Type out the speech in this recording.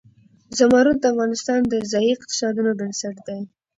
زمرد د افغانستان د ځایي اقتصادونو بنسټ دی.